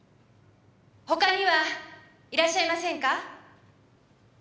他にはいらっしゃいませんか？